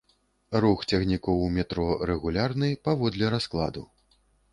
Рух цягнікоў у метро рэгулярны, паводле раскладу.